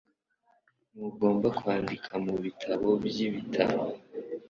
Ntugomba kwandika mubitabo byibitabo